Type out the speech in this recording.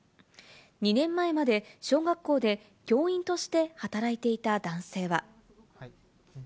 ２年前まで小学校で教員として働いていた男性は。